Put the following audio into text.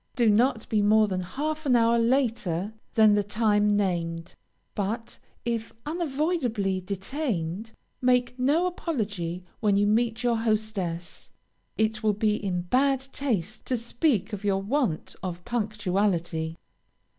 Do not be more than half an hour later than the time named, but if unavoidably detained, make no apology when you meet your hostess; it will be in bad taste to speak of your want of punctuality.